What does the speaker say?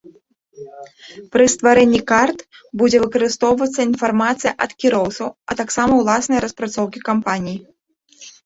Пры стварэнні карт будзе выкарыстоўвацца інфармацыя ад кіроўцаў, а таксама ўласныя распрацоўкі кампаніі.